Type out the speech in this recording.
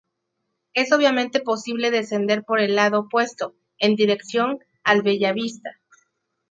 Es obviamente posible descender por el lado opuesto, en dirección al Bellavista.